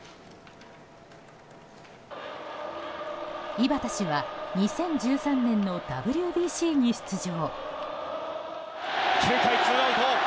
井端氏は２０１３年のＷＢＣに出場。